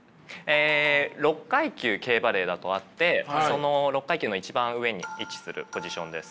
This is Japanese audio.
６階級Ｋ−ＢＡＬＬＥＴだとあってその６階級の一番上に位置するポジションです。